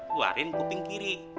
keluarin ke kuping kiri